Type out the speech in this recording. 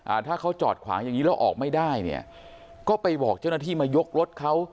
ถ้าเขาจอดขวางอย่างงี้แล้วออกไม่ได้เนี่ยก็ไปบอกเจ้าหน้าที่มายกรถเขา